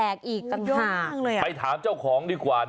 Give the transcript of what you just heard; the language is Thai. เพราะมันมีถึง๘ขา๖นิ้วก็สร้างความประหลาดใจให้กับตัวเขาเป็นอย่างมาก